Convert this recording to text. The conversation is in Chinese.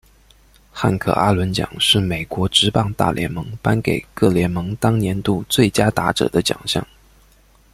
汉克阿伦奖是美国职棒大联盟颁给各联盟当年度最佳打者的奖项。